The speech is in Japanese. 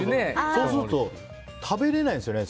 そうすると食べられないんですよね